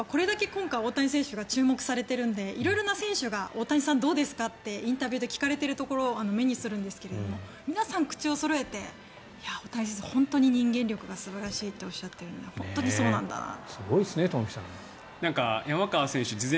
これだけ大谷選手が注目されてるので大谷さん、どうですかってインタビューで聞かれているところを目にするんですが皆さん大谷選手は人間力が素晴らしいとおっしゃっているのは本当にそうなんだなと。